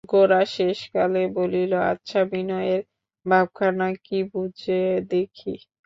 গোরা শেষকালে বলিল, আচ্ছা, বিনয়ের ভাবখানা কী বুঝে দেখি।